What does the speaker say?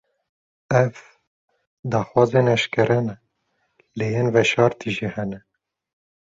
Ev, daxwazên eşkere ne; lê yên veşartî jî hene